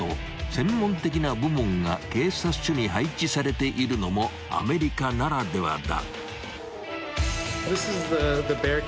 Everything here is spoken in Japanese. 専門的な部門が警察署に配置されているのもアメリカならではだ］